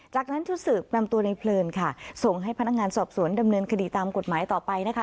จากนั้นชุดสืบนำตัวในเพลินค่ะส่งให้พนักงานสอบสวนดำเนินคดีตามกฎหมายต่อไปนะคะ